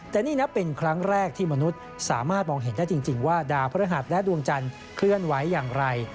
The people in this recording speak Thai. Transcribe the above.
แต่นี่นับเป็นครั้งแรกที่มนุษย์สามารถมองเห็นได้จริงว่าดาวพระหัสและดวงจันทร์เคลื่อนไหวอย่างไร